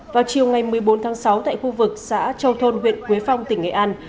vào chiều ngày một mươi bốn tháng sáu tại khu vực xã châu thôn huyện quế phong tỉnh nghệ an